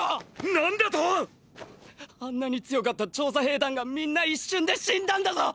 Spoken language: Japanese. ⁉何だと⁉あんなに強かった調査兵団がみんな一瞬で死んだんだぞ